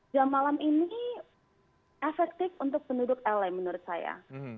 jam malam ini efektif untuk penduduk lm menurut saya